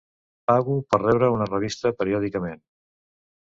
Pago per rebre una revista periòdicament.